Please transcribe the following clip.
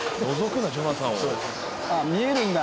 見えるんだ。